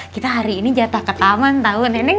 kita hari ini jatah ke taman tau nenek